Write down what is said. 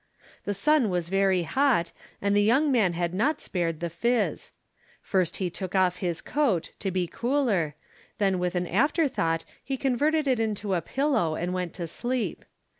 The sun was very hot, and the young man had not spared the fizz. First he took off his coat, to be cooler, then with an afterthought he converted it into a pillow and went to sleep.